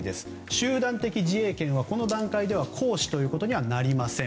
集団的自衛権はこの段階では行使ということにはなりません。